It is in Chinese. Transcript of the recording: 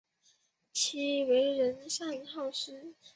其为人乐善好施。